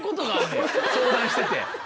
相談してて。